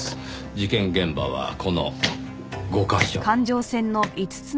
事件現場はこの５カ所。